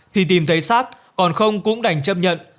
thì tìm thấy xác còn không cũng đành chấp nhận